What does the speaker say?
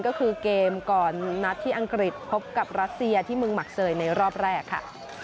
ก็คือเกมก่อนนัดที่อังกฤษพบกับรัสเซียที่เมืองหมักเซยในรอบแรกค่ะ